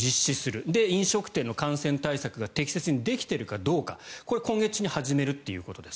それで飲食店の感染対策が適切にできているかどうかこれ、今月中に始めるということです。